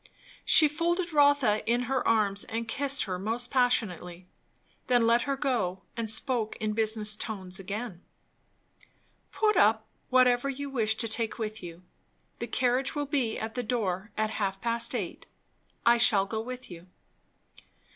She folded Rotha in her arms and kissed her almost passionately. Then let her go, and spoke in business tones again. "Put up whatever you wish to take with you. The carriage will be at the door at half past eight. I shall go with you."